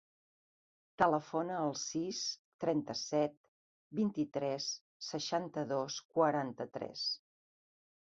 Telefona al sis, trenta-set, vint-i-tres, seixanta-dos, quaranta-tres.